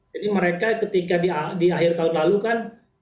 jadi mereka ketika di akhir tahun lalu kan